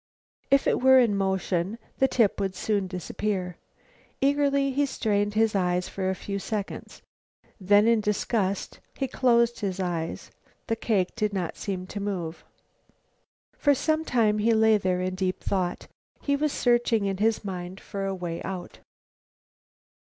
If it were in motion the tip would soon disappear. Eagerly he strained his eyes for a few seconds. Then, in disgust, he closed his eyes. The cake did not seem to move. For some time he lay there in deep thought. He was searching in his mind for a way out.